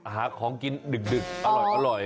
หาของกินดึกอร่อย